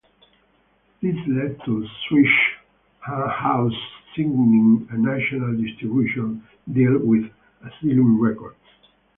This led to Swishahouse signing a national distribution deal with Asylum Records.